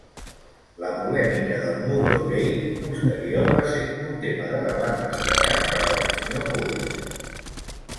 La polèmica del "Mugrógate" posterior va ser un tema de debat destacat per a l'opinió pública.